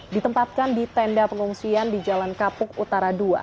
ditempatkan di tenda pengungsian di jalan kapuk utara dua